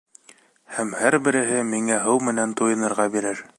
Һәм һәр береһе миңә һыу менән туйынырға бирер...